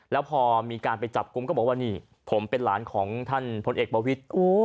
แล้วพอมีการไปจับกลุ่มก็บอกว่านี่ผมเป็นหลานของท่านพลเอกประวิทธิ์